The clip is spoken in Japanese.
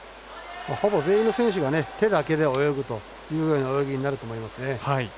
ほぼ全員の選手が手だけで泳ぐというような泳ぎになると思いますね。